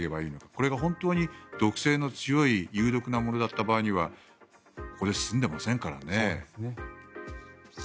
これが本当に毒性の強い有毒なものだった場合にはこれで済んでませんからね。